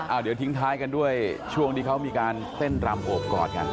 เดี๋ยวทิ้งท้ายกันด้วยช่วงที่เขามีการเต้นรำโอบกอดกัน